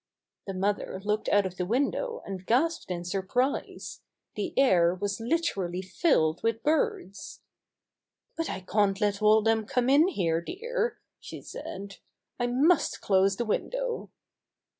The mother looked out of the window and gasped in surprise. The air was literally filled with birds. "But I can't let all them come in here, dear," she said. "I must close the window."